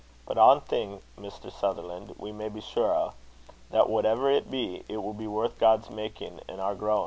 But ae thing, Maister Sutherlan', we may be sure o': that, whatever it be, it will be worth God's makin' an' our growin'."